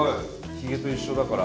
ひげと一緒だから。